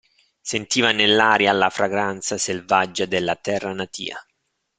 Sentiva nell'aria la fragranza selvaggia della terra natia.